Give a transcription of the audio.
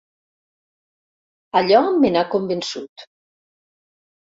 Allò me n'ha convençut.